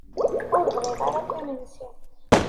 Ur bɣiɣ ara akk imensi.